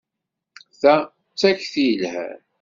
Ta d takti yelhan.